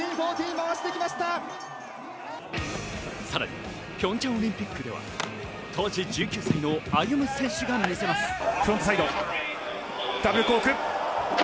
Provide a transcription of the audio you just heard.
さらにピョンチャンオリンピックでは当時１９歳の歩夢選手が見せます。